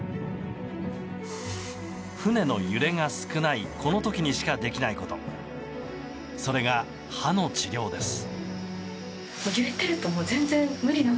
船の揺れが少ないこの時にしかできないことそれが歯の治療です。